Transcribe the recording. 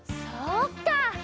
そうか。